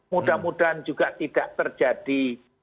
mudah mudahan juga tidak terjadi